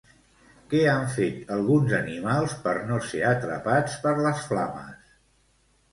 Què han fet alguns animals per no ser atrapats per les flames?